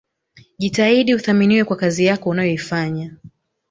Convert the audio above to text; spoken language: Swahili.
Jitahidi uthaminiwe kwa kazi yako unayoifanya